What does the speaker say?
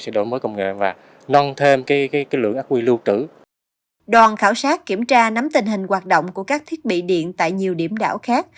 đoàn khảo sát kiểm tra nắm tình hình hoạt động của các thiết bị điện tại nhiều điểm đảo khác